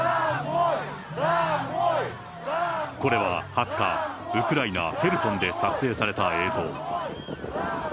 これは２０日、ウクライナ・ヘルソンで撮影された映像。